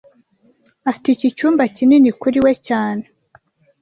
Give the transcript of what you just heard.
Afite iki cyumba kinini kuri we cyane